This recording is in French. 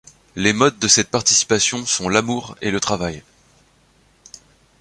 Les modes de cette participation sont l'amour et le travail.